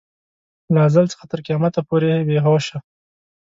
له ازل څخه تر قیامته پورې بې هوشه.